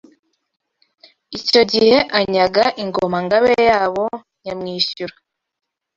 Icyo gihe anyaga Ingoma-ngabe yabo Nyamwishyura